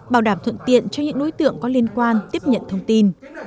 bảo đảm thuận tiện cho những đối tượng có liên quan tiếp nhận thông tin